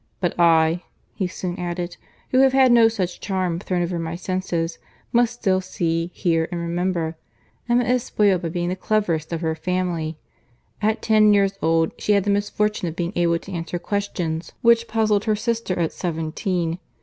"But I," he soon added, "who have had no such charm thrown over my senses, must still see, hear, and remember. Emma is spoiled by being the cleverest of her family. At ten years old, she had the misfortune of being able to answer questions which puzzled her sister at seventeen.